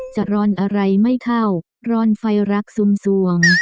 จะร้อนอะไรไม่เข้าร้อนไฟรักซุ่มสวง